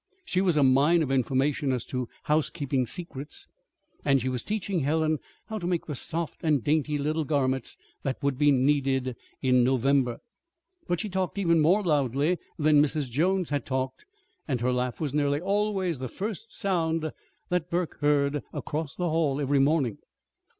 She was a mine of information as to housekeeping secrets, and she was teaching Helen how to make the soft and dainty little garments that would be needed in November. But she talked even more loudly than Mrs. Jones had talked; and her laugh was nearly always the first sound that Burke heard across the hall every morning.